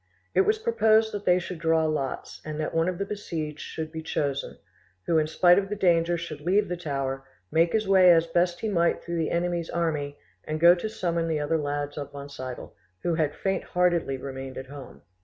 It was proposed that they should draw lots, and that one of the besieged should be chosen, who in spite of the danger should leave the tower, make his way as best he might through the enemy's army, and go to summon the other lads of Wonsiedel, who had faint heartedly remained at home.